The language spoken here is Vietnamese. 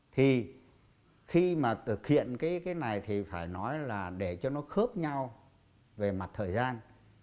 thì khi mà thực hiện cái này thì phải nói là để cho nó khớp nhau về mặt thời gian